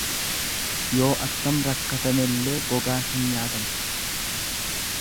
Yoo attam rakkatamellee gogaan hin nyaatamu.